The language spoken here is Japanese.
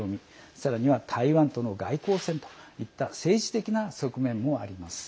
さらに台湾との外交戦略という政治的な側面もあります。